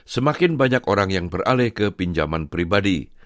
semakin banyak orang yang beralih ke pinjaman pribadi